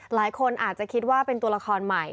หลายคนอาจจะคิดว่าเป็นตัวละครใหม่